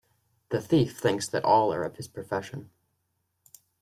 The thief thinks that all are of his profession.